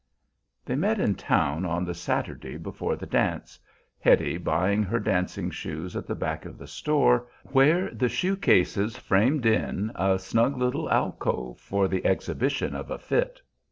They met in town on the Saturday before the dance, Hetty buying her dancing shoes at the back of the store, where the shoe cases framed in a snug little alcove for the exhibition of a "fit."